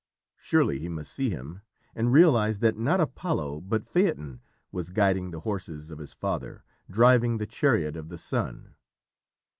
Surely he must see him, and realise that not Apollo but Phaeton was guiding the horses of his father, driving the chariot of the Sun.